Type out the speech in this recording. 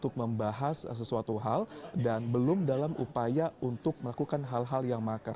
untuk membahas sesuatu hal dan belum dalam upaya untuk melakukan hal hal yang makar